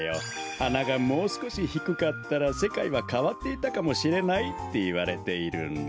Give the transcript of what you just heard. はながもうすこしひくかったらせかいはかわっていたかもしれないっていわれているんだ。